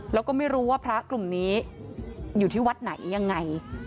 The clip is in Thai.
แล้วก็ไม่รู้ว่าพระกลุ่มนี้อยู่ที่วัดไหนยังไง